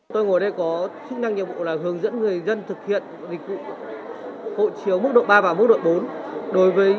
tôi ngồi đây có chức năng nhiệm vụ là hướng dẫn người dân thực hiện dịch vụ hộ chiếu mức độ ba và mức độ bốn đối với